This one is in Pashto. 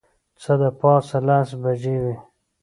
څه د پاسه لس بجې وې.